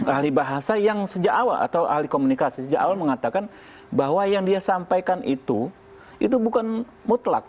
ahli bahasa yang sejak awal atau ahli komunikasi sejak awal mengatakan bahwa yang dia sampaikan itu itu bukan mutlak